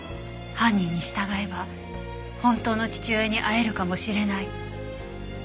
犯人に従えば本当の父親に会えるかもしれない。